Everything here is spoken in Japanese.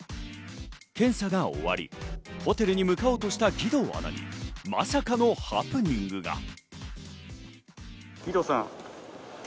検査が終わり、ホテルに向かおうとした義堂アナにまさかのハプニングが。